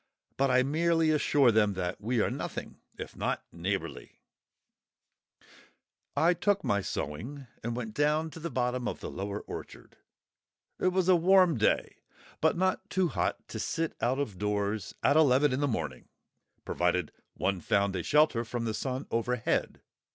But I merely assure them that we are nothing if not neighbourly! I took my sewing and went down to the bottom of the lower orchard. It was a warm day, but not too hot to sit out of doors at eleven in the morning, provided one found a shelter from the sun overhead.